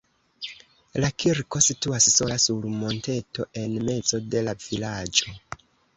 La kirko situas sola sur monteto en mezo de la vilaĝo.